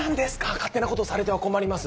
勝手なことをされては困ります！